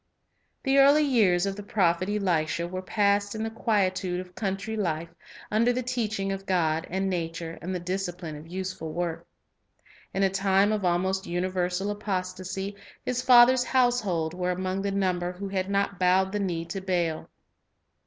The early years of the prophet Elisha were passed Eiisha m the quietude of country life, under the teaching of God and nature and the discipline of useful work. In a time of almost universal apostasy, his father's household were among the number who had not bowed the knee to Baal.